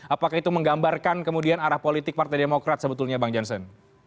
apakah itu menggambarkan kemudian arah politik partai demokrat sebetulnya bang jansen